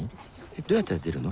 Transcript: どうやったら出るの？